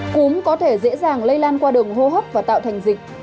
cúm có thể dễ dàng lây lan qua đường hô hấp và tạo thành dịch